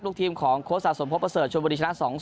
ลูกทีมของโค้ดสาสมพบเตอร์เซิร์ดชวนบุรีชนะ๒๐